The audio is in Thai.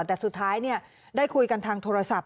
แต่สุดท้ายได้คุยกันทางโทรศัพท์